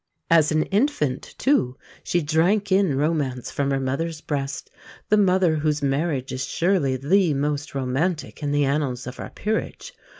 As an infant, too, she drank in romance from her mother's breast the mother whose marriage is surely the most romantic in the annals of our Peerage.